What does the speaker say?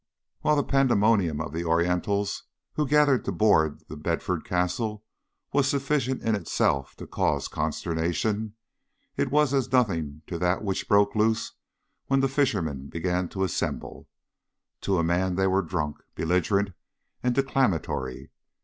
While the pandemonium of the Orientals who gathered to board The Bedford Castle was sufficient in itself to cause consternation, it was as nothing to that which broke loose when the fishermen began to assemble. To a man they were drunk, belligerent and, declamatory.